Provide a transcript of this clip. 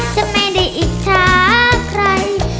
จะไม่ได้อิจฉาใคร